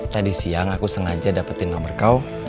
tadi siang aku sengaja dapetin nomor kau